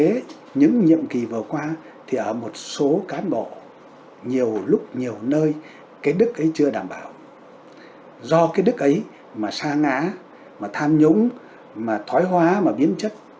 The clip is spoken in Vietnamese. thực tế những nhiệm kỳ vừa qua thì ở một số cán bộ nhiều lúc nhiều nơi cái đức ấy chưa đảm bảo do cái đức ấy mà xa ngã mà tham nhũng mà thói hóa mà biến chất